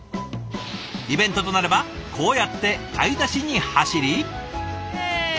イベントとなればこうやって買い出しに走り。